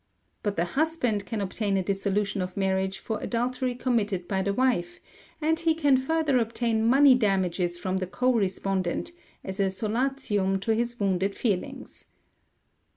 But the husband can obtain a dissolution of marriage for adultery committed by the wife, and he can further obtain money damages from the co respondent, as a solatium to his wounded feelings.